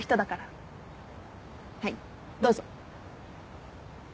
はいどうぞ。